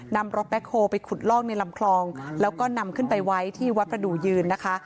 นำรถแบ็คโฮลไปขุดลอกในลำคลองแล้วก็นำขึ้นไปไว้ที่วัดประดูกยืนนะคะ